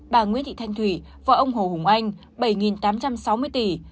bà nguyễn thị thanh thủy và ông hồ hùng anh bảy tám trăm sáu mươi tỷ